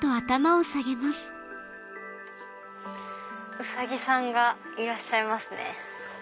ウサギさんがいらっしゃいますね。